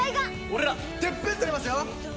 俺らてっぺん取りますよ